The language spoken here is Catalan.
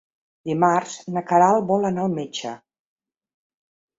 Dimarts na Queralt vol anar al metge.